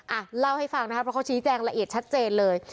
อ่ะเล่าให้ฟังนะคะเพราะเขาชี้แจงละเอียดชัดเจนเลย